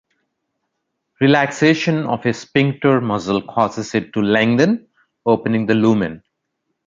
Relaxation of a sphincter muscle causes it to lengthen, opening the lumen.